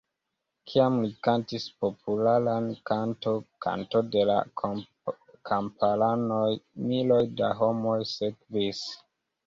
Kiam li kantis popularan kanton 'Kanto de la Kamparanoj', miloj da homoj sekvis.